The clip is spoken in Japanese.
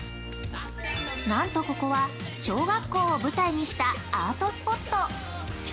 ◆なんとここは、小学校を舞台にしたアートスポット。